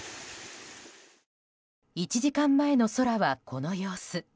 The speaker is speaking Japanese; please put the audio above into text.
１時間前の空はこの様子。